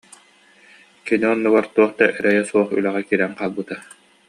Кини оннугар туох да эрэйэ суох үлэҕэ киирэн хаалбыта